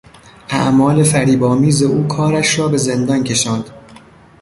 اعمال فریبآمیز او کارش را به زندان کشاند.